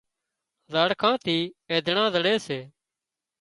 زاڙکان ٿي اينڌڻان زڙي سي